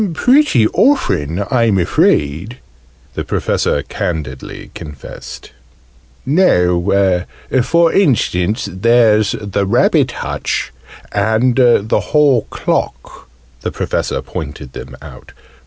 "Pretty often, I'm afraid," the Professor candidly confessed. "Now, for instance, there's the rabbit hutch and the hall clock." The Professor pointed them out.